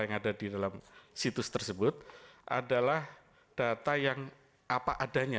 yang ada di dalam situs tersebut adalah data yang apa adanya